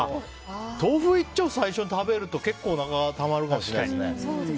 豆腐１丁を最初に食べると結構、おなかにたまるかもしれませんね。